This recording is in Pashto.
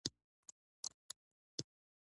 زما ټینګار او مقاومت د لویانو پر وړاندې.